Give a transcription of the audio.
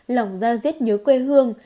lòng ra giết nhớ quê hương